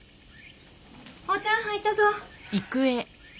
お茶ん入ったぞ。